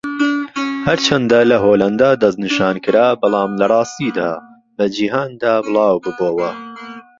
ھەرچەندە لە ھۆلەندا دەستنیشانکرا بەڵام لەڕاستیدا بە جیھاندا بڵاوببۆوە.